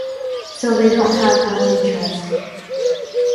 So they don’t have much interest.